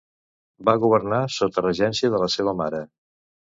Va governar sota regència de la seva mare.